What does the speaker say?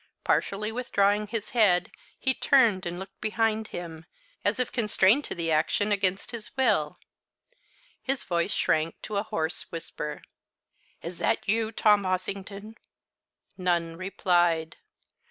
Partially withdrawing his head, he turned and looked behind him as if constrained to the action against his will. His voice shrank to a hoarse whisper. "Is that you, Tom Ossington?" None replied.